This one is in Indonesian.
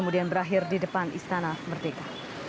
kemudian berakhir di depan istana merdeka